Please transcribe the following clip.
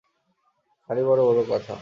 খালি বড়ো বড়ো কথা!